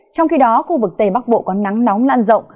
trong khi đó khu vực tây bắc bộ có nắng nóng lan rộng